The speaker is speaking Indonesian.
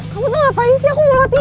kamu tuh ngapain sih aku mau latihan